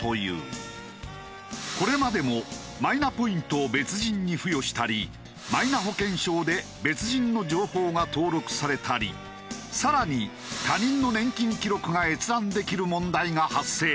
これまでもマイナポイントを別人に付与したりマイナ保険証で別人の情報が登録されたり更に他人の年金記録が閲覧できる問題が発生。